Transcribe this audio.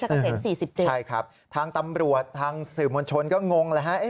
ใช่ครับทางตำรวจทางสื่อมวลชนก็งงแล้วฮะ